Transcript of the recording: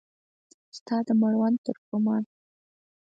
ستا د مړوند ترکمان